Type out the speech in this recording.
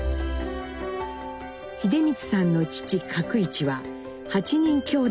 英光さんの父覺一は８人兄弟の長男。